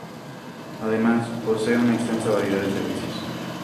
Además, posee una extensa variedad de servicios.